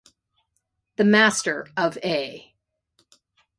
The master of A.